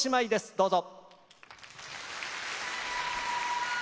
どうぞ！